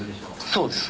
そうです。